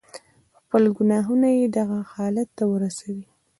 خپل گناهونه ئې دغه حالت ته ورسوي.